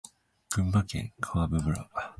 群馬県川場村